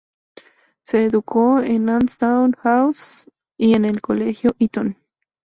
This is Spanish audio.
Se educó en Ashdown House y en el Colegio Eton.